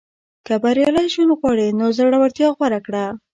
• که بریالی ژوند غواړې، نو زړورتیا غوره کړه.